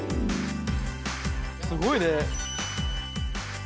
すごいね。